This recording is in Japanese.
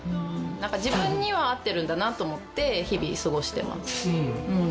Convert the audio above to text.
自分には合ってるんだなと思って日々過ごしています。